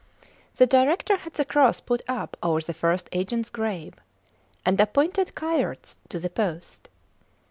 The director had the cross put up over the first agents grave, and appointed Kayerts to the post.